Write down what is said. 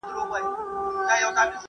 لويه جرګه د هيواد د سياسي لاري نقشه جوړوي.